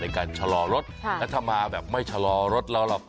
ในการชะลอรถถ้ามันไม่ชะลอรถแล้ว